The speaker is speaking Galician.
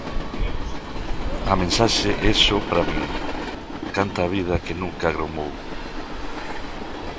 A mensaxe é só para min: canta a vida que nunca agromou.